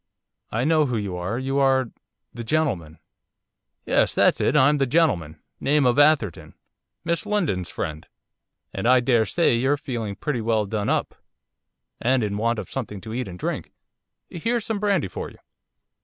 'I know who you are. You are the gentleman.' 'Yes, that's it, I'm the gentleman, name of Atherton. Miss Lindon's friend. And I daresay you're feeling pretty well done up, and in want of something to eat and drink, here's some brandy for you.